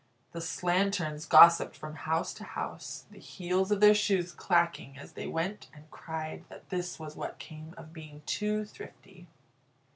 The slatterns gossiped from house to house, the heels of their shoes clacking as they went, and cried that this was what came of being too thrifty.